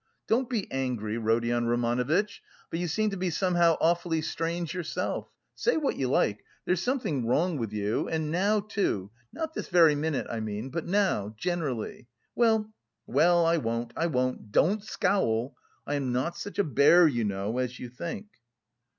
Don't be angry, Rodion Romanovitch, but you seem to be somehow awfully strange yourself. Say what you like, there's something wrong with you, and now, too... not this very minute, I mean, but now, generally.... Well, well, I won't, I won't, don't scowl! I am not such a bear, you know, as you think."